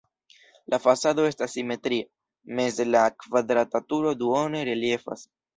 La fasado estas simetria, meze la kvadrata turo duone reliefas.